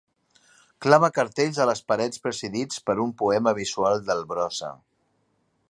Clava cartells a les parets presidits per un poema visual del Brossa.